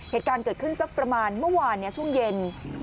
เหตุการณ์เกิดขึ้นสักประมาณเมื่อวานช่วงเย็น